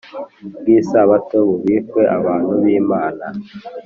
bw isabato bubikiwe abantu b Imana